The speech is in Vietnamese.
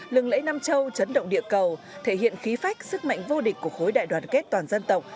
lẫy nam châu chấn động địa cầu thể hiện khí phách sức mạnh vô địch của khối đại đoàn kết toàn dân tộc